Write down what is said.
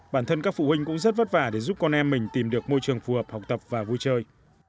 bản thân các phụ huynh cũng rất vất vả để giúp con em mình tìm được môi trường phù hợp học tập và vui chơi